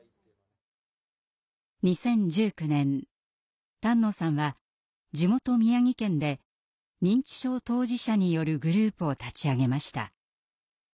２０１９年丹野さんは地元宮城県で認知症当事者によるグループを立ち上げました。